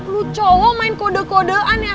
lu cowok main kode kodean ya